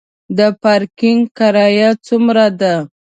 د پارکینګ کرایه څومره ده؟